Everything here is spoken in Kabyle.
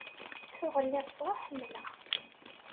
Tuɣ lliɣ ttwaḥemmleɣ.